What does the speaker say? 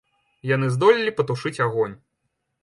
Яны здолелі патушыць агонь.